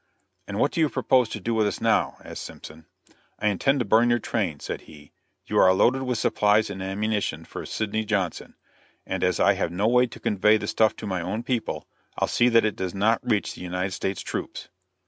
"And what do you propose to do with us now?" asked Simpson. "I intend to burn your train," said he; "you are loaded with supplies and ammunition for Sidney Johnson, and as I have no way to convey the stuff to my own people, I'll see that it does not reach the United States troops."